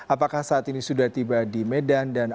apakah saat ini sudah tiba di medan